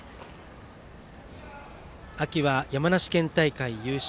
秋は山梨県大会優勝。